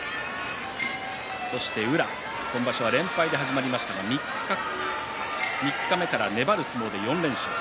そして宇良、今場所は連敗で始まりましたが三日目から粘る相撲で４連勝。